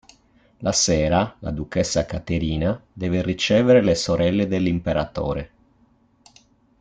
La sera, la duchessa Caterina deve ricevere le sorelle dell'Imperatore.